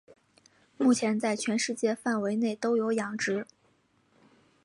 目前在全世界范围内都有养殖。